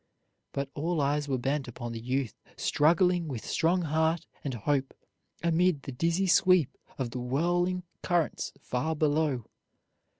But all eyes were bent upon the youth struggling with strong heart and hope amid the dizzy sweep of the whirling currents far below.